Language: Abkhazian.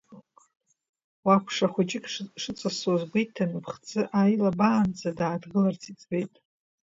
Уа ԥша хәыҷык шыҵасуаз гәеиҭан, иԥхӡы ааилабаанӡа, дааҭгыларц иӡбеит.